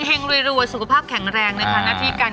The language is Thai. เห้งโรยสุขภาพแข็งแรงนะคะ